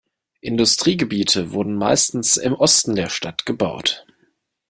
Industriegebiete wurden meistens im Osten der Stadt gebaut.